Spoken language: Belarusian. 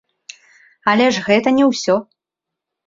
Але ж гэта не ўсё!